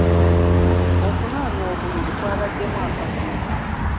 Okunoonya obululu kwabaddemu akavuyo.